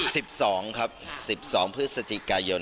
สิบสองครับสิบสองพฤศจิกายน